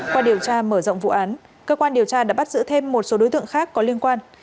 qua điều tra mở rộng vụ án cơ quan điều tra đã bắt giữ thêm một số đối tượng khác có liên quan